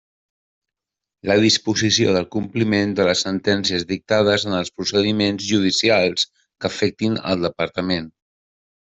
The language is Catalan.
La disposició del compliment de les sentències dictades en els procediments judicials que afectin el Departament.